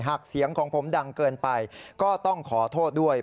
หากเสียงของผมดังเกินไปก็ต้องขอโทษด้วย